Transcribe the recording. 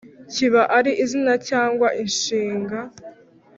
kiba ari izina cyangwa inshinga